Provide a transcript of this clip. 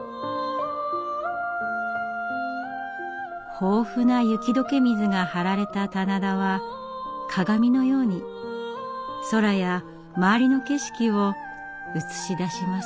豊富な雪解け水が張られた棚田は鏡のように空や周りの景色を映し出します。